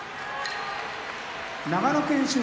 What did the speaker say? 長野県出身